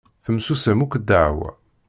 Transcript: Temsusam akk ddeɛwa.